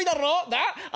なあ？